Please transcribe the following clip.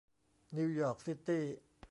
นิวยอร์คซิตี้